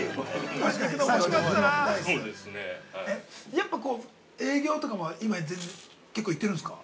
やっぱ、営業とかも、今、全然、結構行ってるんですか。